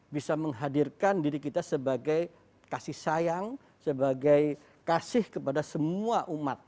bisa menghadirkan diri kita sebagai kasih sayang sebagai kasih kepada semua umat